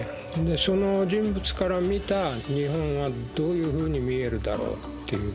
その人物から見た日本はどういうふうに見えるだろうっていう。